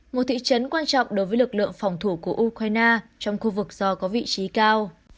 một thị trấn quan trọng đối với lực lượng phòng thủ của ukraine trong khu vực do có vị trí cao